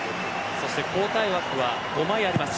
交代枠は５枚あります。